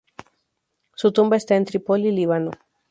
Su tumba está en Trípoli, Líbano.